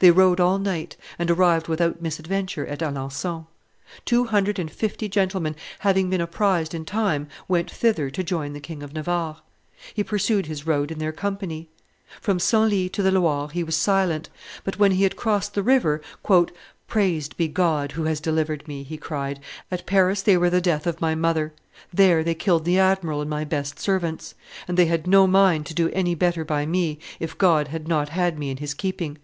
They rode all night, and arrived without misadventure at Alencon. Two hundred and fifty gentlemen, having been apprised in time, went thither to join the King of Navarre. He pursued his road in their company. From Senlis to the Loire he was silent but when he had crossed the river, "Praised be God, who has delivered me!" he cried; "at Paris they were the death of my mother; there they killed the admiral and my best servants; and they had no mind to do any better by me, if God had not had me in his keeping.